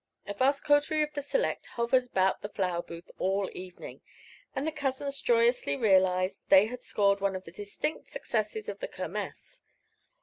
A vast coterie of the select hovered about the flower booth all the evening, and the cousins joyously realized they had scored one of the distinct successes of the Kermess.